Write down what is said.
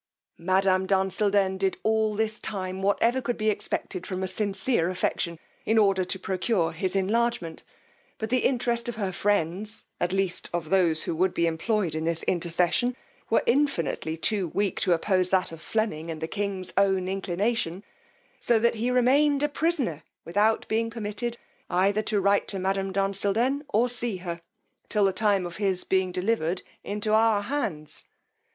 Madam d' Ensilden did all this time whatever could be expected from a sincere affection, in order to procure his enlargement; but the interest of her friends, at least of those who would be employed in this intercession, were infinitely too weak to oppose that of Flemming and the king's own inclination, so that he remained a prisoner, without being permitted either to write to madam d' Ensilden or see her, till the time of his being delivered into our hands.